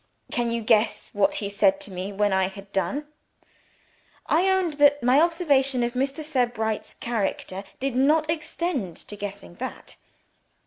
Can you guess what he said to me when I had done?" I owned that my observation of Mr. Sebright's character did not extend to guessing that.